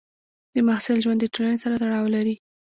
د محصل ژوند د ټولنې سره تړاو لري.